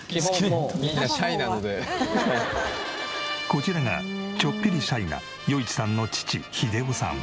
こちらがちょっぴりシャイな余一さんの父秀雄さん。